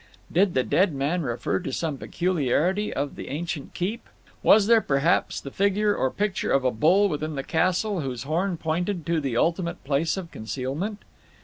Did the dead man refer to some peculiarity of the ancient keep? Was there, perhaps, the figure or picture of a bull within the castle whose horn pointed to the ultimate place of concealment?